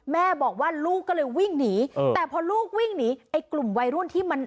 แม่บอกว่าลูกก็เลยวิ่งหนีแต่พอลูกวิ่งหนีไอ้กลุ่มวัยรุ่นที่มัน